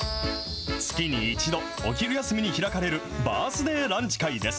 月に１度、お昼休みに開かれるバースデーランチ会です。